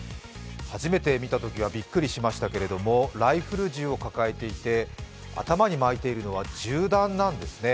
初めて見たときはびっくりしましたけれどもライフル銃を抱えていて頭に巻いているのは銃弾なんですね。